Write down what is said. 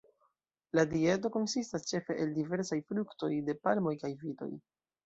La dieto konsistas ĉefe el diversaj fruktoj, de palmoj kaj vitoj.